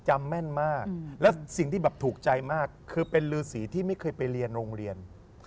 จำแม่นมากแล้วสิ่งที่แบบถูกใจมากคือเป็นฤษีที่ไม่เคยไปเรียนโรงเรียน